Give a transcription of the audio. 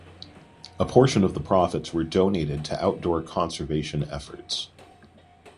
A portion of the profits were donated to outdoor conservation efforts.